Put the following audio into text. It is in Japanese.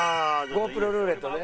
ＧｏＰｒｏルーレットね。